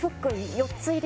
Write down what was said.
４つ入り？